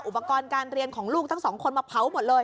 อุปกรณ์การเรียนของลูกทั้งสองคนมาเผาหมดเลย